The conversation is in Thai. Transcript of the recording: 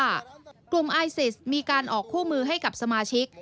กลุ่มไอซิสมีการออกคู่มือให้กับสมาชิก